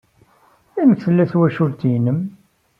Amek tella twacult-nnem?